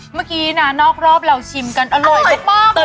เมื่อกี้นะนอกรอบเราชิมกันอร่อยมากเลย